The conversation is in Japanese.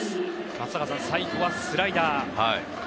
松坂さん、最後はスライダー。